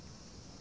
あ？